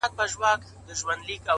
ما د ملا نه د آذان په لور قدم ايښی دی”